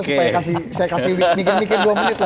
supaya saya kasih mikir mikir dua menit lah